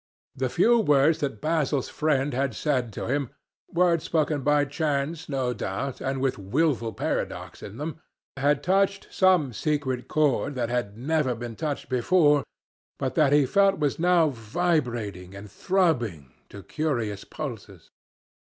The few words that Basil's friend had said to him—words spoken by chance, no doubt, and with wilful paradox in them—had touched some secret chord that had never been touched before, but that he felt was now vibrating and throbbing to curious pulses.